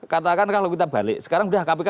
katakan kalau kita balik sekarang udah kpk